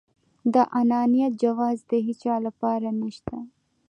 د انانيت جواز د هيچا لپاره نشته.